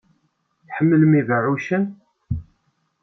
Tḥemmlem ibeɛɛucen?